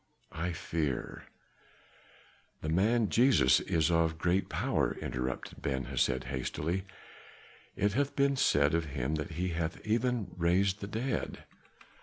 I fear " "The man Jesus is of great power," interrupted Ben Hesed hastily. "It hath been said of him that he hath even raised the dead."